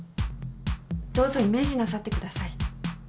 どうぞイメージなさってください。